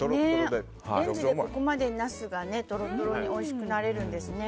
レンジでここまでナスがトロトロにおいしくなれるんですね。